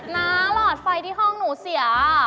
น้าหลอดไฟที่ห้องหนูเสีย